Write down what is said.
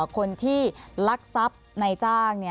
คนที่ลักทรัพย์ในจ้าง